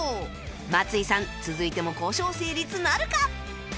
松井さん続いても交渉成立なるか？